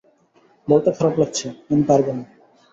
বলতে খারাপ লাগছে, আমি পারবো না।